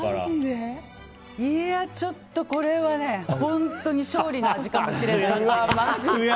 ちょっとこれは本当に勝利の味かもしれない。